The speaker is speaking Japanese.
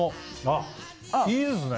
いいですね。